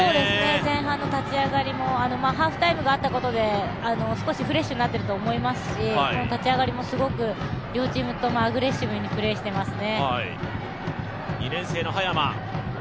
前半の立ち上がりもハーフタイムがあったことで少しフレッシュになってると思いますし、この立ち上がりも両チームともアグレッシブにプレーしていますね。